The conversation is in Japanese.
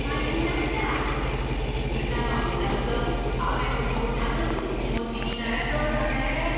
うたをうたうとあめのひもたのしいきもちになれそうだね！